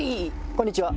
こんにちは。